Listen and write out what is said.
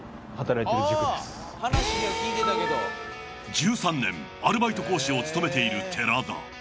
１３年アルバイト講師を務めている寺田。